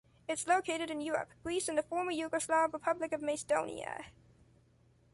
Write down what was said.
It’s located in Europe: Greece and the former Yugoslav Republic of Macedonia.